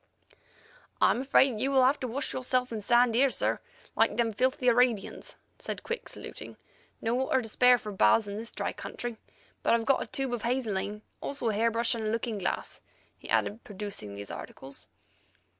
"I am afraid you will have to wash yourself in sand here, sir, like them filthy Arabians," said Quick, saluting. "No water to spare for baths in this dry country. But I've got a tube of hazeline, also a hair brush and a looking glass," he added, producing these articles.